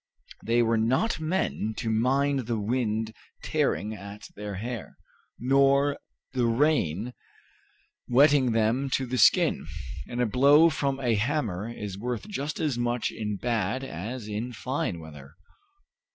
They were not men to mind the wind tearing at their hair, nor the rain wetting them to the skin, and a blow from a hammer is worth just as much in bad as in fine weather.